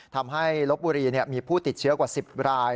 ทำให้ลบบุรีมีผู้ติดเชื้อกว่า๑๐ราย